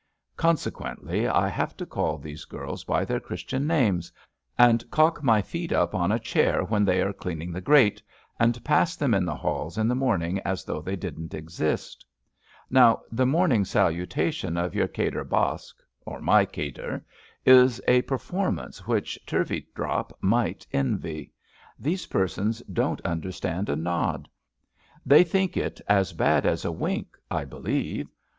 Consequently, I have to call these girls by their Christian names, and cock my feet up on a chair when they are cleaning the grate, and pass them in the halls in the morning as though they didn't exist. Now, THE NEW DISPENSATION— I 287 the moming salutation of your Kadir Baksh or iny Kadir is a performance which Turveydrop might envy. These persons don't understand a nod; they think it as bad as a wink, I believe.